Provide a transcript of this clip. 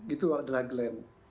itu adalah glenn